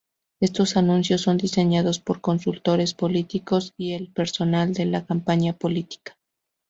Estos anuncios son diseñados por consultores políticos y el personal de la campaña política.